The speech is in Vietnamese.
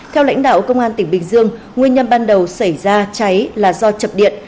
theo lãnh đạo công an tỉnh bình dương nguyên nhân ban đầu xảy ra cháy là do chập điện